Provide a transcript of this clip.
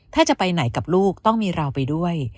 ถ้าจะไปไหนกับลูกต้องมีเราไปด้วย